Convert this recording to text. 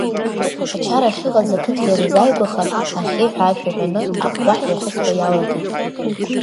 Ачара ахьыҟаз ақыҭа ианазааигәаха аӷьеиҳәа ашәа ҳәаны, аҟәҟәаҳәа ихысуа иалагеит.